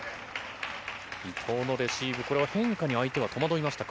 伊藤のレシーブ、これは変化に相手は戸惑いましたか？